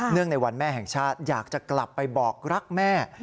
ในวันแม่แห่งชาติอยากจะกลับไปบอกรักแม่